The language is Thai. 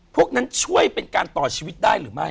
พวกนั้นช่วยเป็นการต่อชีวิตได้หรือไม่